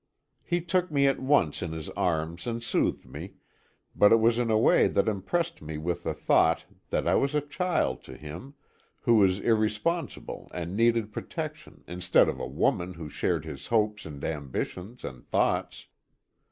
He took me at once in his arms and soothed me, but it was in a way that impressed me with the thought that I was a child to him, who was irresponsible and needed protection, instead of a woman who shared his hopes and ambitions and thoughts.